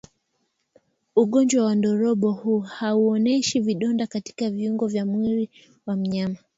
Ugonjwa wa ndorobo hauoneshi vidonda katika viungo vya mwili wa mnyama